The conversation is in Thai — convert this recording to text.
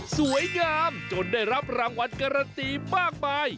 สวยงามจนได้รับรางวัลการันตีมากมาย